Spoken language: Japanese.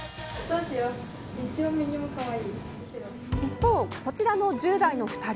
一方こちらの１０代の２人。